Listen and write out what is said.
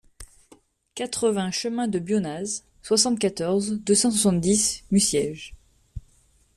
quatre-vingts chemin de Bionnaz, soixante-quatorze, deux cent soixante-dix, Musièges